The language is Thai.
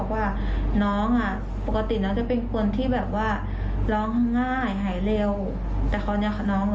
ความจริงใจยังมีให้ไม่ได้เลยพูดจริง